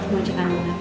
mau cekan nama